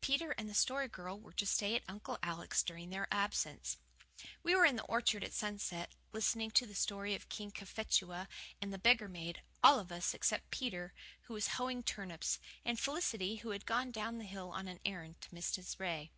Peter and the Story Girl were to stay at Uncle Alec's during their absence. We were in the orchard at sunset, listening to the story of King Cophetua and the beggar maid all of us, except Peter, who was hoeing turnips, and Felicity, who had gone down the hill on an errand to Mrs. Ray.